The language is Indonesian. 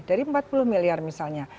dari empat puluh miliar misalnya